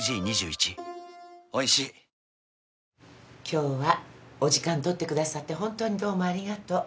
今日はお時間取ってくださってホントにどうもありがとう。